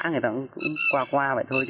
người ta cũng qua